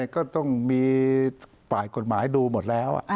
ก็ต้องมีฝ่ายกฎหมายดูหมดแล้ว